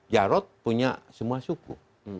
jarrot punya semua suku